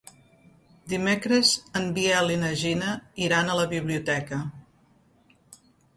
Dimecres en Biel i na Gina iran a la biblioteca.